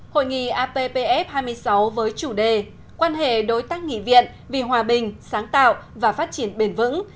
hội nghị appf hai mươi sáu với chủ đề quan hệ đối tác nghị viện vì hòa bình sáng tạo và phát triển bền vững